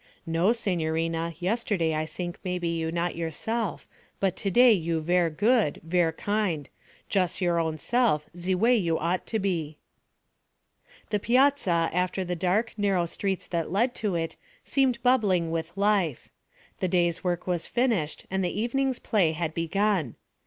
'No, signorina, yesterday I sink maybe you not yourself, but to day you ver' good, ver' kind jus' your own self ze way you ought to be.' The piazza, after the dark, narrow streets that led to it, seemed bubbling with life. The day's work was finished and the evening's play had begun.